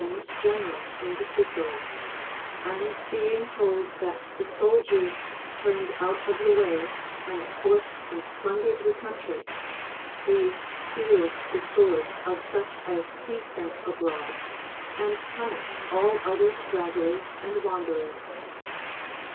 I. 16 24:2 ΤΙίΕ ArOniTUEGMS OF KINGS general into Sicily, and being told that the soldiers turned out of the Avay and forced and plundered the country, he sealed the swords of such as he sent abroad, and punished all other stragglers and wanderers.